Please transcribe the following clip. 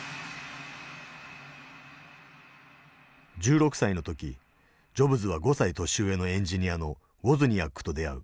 １６歳の時ジョブズは５歳年上のエンジニアのウォズニアックと出会う。